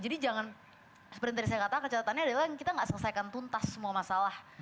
jadi jangan seperti tadi saya kata catatannya adalah kita tidak selesaikan tuntas semua masalah